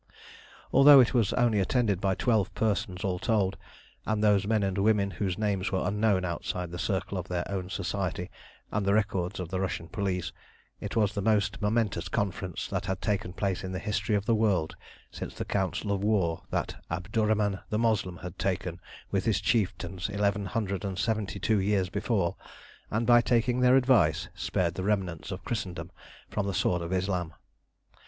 Although it was only attended by twelve persons all told, and those men and women whose names were unknown outside the circle of their own Society and the records of the Russian police, it was the most momentous conference that had taken place in the history of the world since the council of war that Abdurrhaman the Moslem had held with his chieftains eleven hundred and seventy two years before, and, by taking their advice, spared the remnants of Christendom from the sword of Islam.